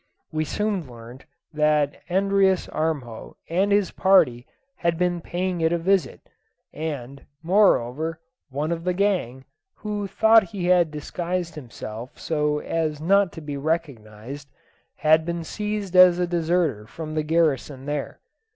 We soon learnt that Andreas Armjo and his party had been paying it a visit; and, moreover, one of the gang, who thought he had disguised himself so as not to be recognised, had been seized as a deserter from the garrison here.